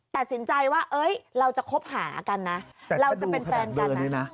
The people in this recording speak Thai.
ตัดสินใจว่าเราจะคบหากันนะเราจะเป็นแฟนกันนะ